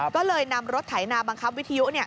ก็เลยนำรถไถนาบังคับวิทยุ